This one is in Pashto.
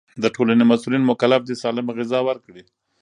د ټولنې مسؤلين مکلف دي سالمه غذا ورکړي.